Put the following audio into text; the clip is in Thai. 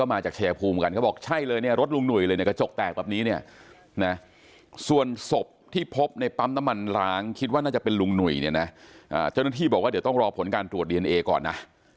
อ่าเจ้าเนอร์ที่บอกว่าเดี๋ยวต้องรอผลการตรวจก่อนนะอ่อ